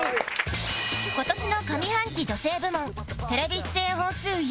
今年の上半期女性部門テレビ出演本数１位